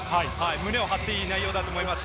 胸を張っていい内容だと思います。